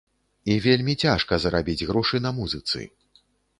І вельмі цяжка зарабіць грошы на музыцы.